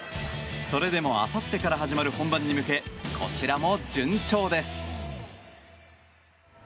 それでもあさってから始まる本番に向けこちらも順調です。